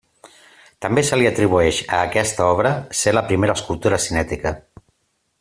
També se li atribueix a aquesta obra ser la primera escultura cinètica.